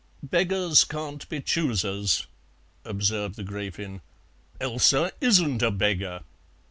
"Beggars can't be choosers," observed the Gräfin. "Elsa isn't a beggar!"